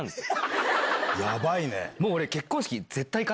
ヤバいね。